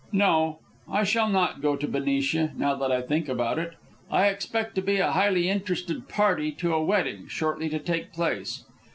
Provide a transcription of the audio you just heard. No; I shall not go to Benicia, now that I think about it. I expect to be a highly interested party to a wedding, shortly to take place.